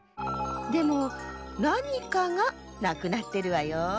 でもなにかがなくなってるわよ。